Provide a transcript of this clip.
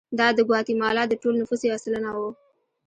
دا د ګواتیمالا د ټول نفوس یو سلنه وو.